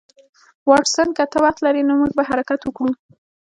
واټسن که ته وخت لرې نو موږ به حرکت وکړو